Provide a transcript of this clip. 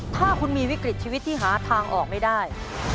ถ้าคุณมีวิกฤตชีวิตที่หาทางออกไม่ได้